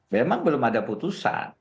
memang belum ada putusan